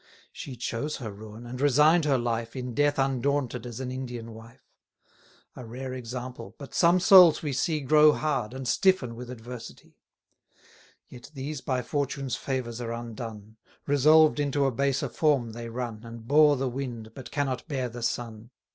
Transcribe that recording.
440 She chose her ruin, and resign'd her life, In death undaunted as an Indian wife: A rare example! but some souls we see Grow hard, and stiffen with adversity: Yet these by fortune's favours are undone; Resolved into a baser form they run, And bore the wind, but cannot bear the sun.